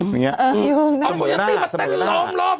เอาของโคโยต้ีไปตัลอม